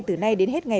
từ nay đến hôm nay